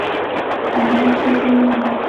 احمد چې تللی دی.